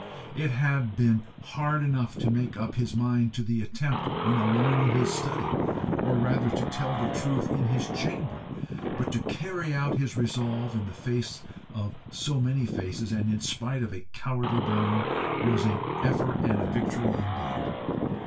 It had been hard enough to make up his mind to the attempt when alone in his study, or rather, to tell the truth, in his chamber, but to carry out his resolve in the face of so many faces, and in spite of a cowardly brain, was an effort and a victory indeed.